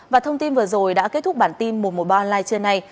và thông tin vừa rồi đã kết thúc bản tin một trăm một mươi ba online trưa nay